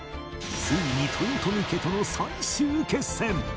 ついに豊臣家との最終決戦！